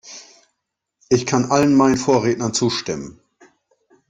Ich kann allen meinen Vorrednern zustimmen.